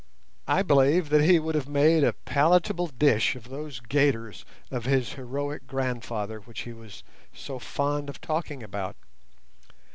I believe that he would have made a palatable dish of those gaiters of his heroic grandfather which he was so fond of talking about.